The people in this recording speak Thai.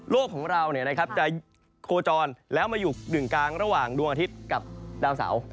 ของเราจะโคจรแล้วมาอยู่กึ่งกลางระหว่างดวงอาทิตย์กับดาวเสา